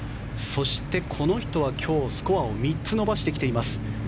そして、この人は今日スコアを３つ伸ばしてきています